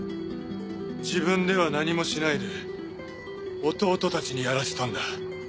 自分では何もしないで弟たちにやらせたんだ。